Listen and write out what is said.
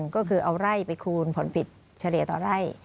ก็คือเอาไร่ไปคูณผลผิดเฉลี่ยต่อไร่